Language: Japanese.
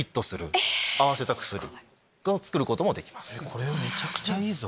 これめちゃくちゃいいぞ。